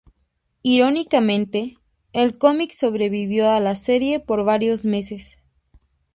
Irónicamente, el cómic sobrevivió a la serie por varios meses.